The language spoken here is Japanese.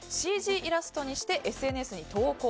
ＣＧイラストにしてＳＮＳに投稿。